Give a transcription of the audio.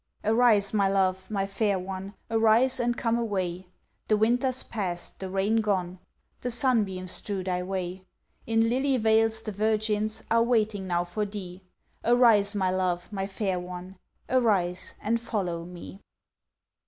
"Arise, my love, my fair one, Arise, and come away; The winter's past, the rain gone," The sunbeams strew thy way. In lily vales the virgins Are waiting now for thee, "Arise my love, my fair one, Arise, and follow Me."